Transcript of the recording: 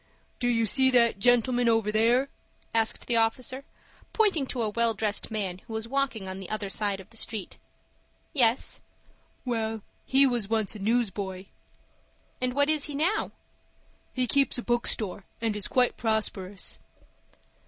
"Do you see that gentleman over there?" asked the officer, pointing to a well dressed man who was walking on the other side of the street. "Yes." "Well, he was once a newsboy." "And what is he now?" "He keeps a bookstore, and is quite prosperous."